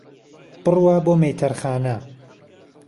بڕوا بۆ مەيتهرخانه